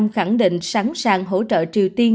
khẳng định sẵn sàng hỗ trợ triều tiên